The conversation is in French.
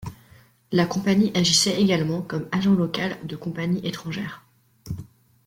La compagnie agissait également comme agent local de compagnies étrangères.